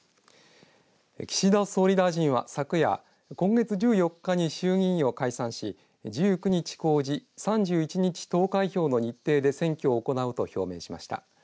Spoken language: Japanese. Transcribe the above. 岸田総理大臣は昨夜今月１４日に衆議院を解散し１９日公示３１日投開票の日程で選挙を行うと表明しました。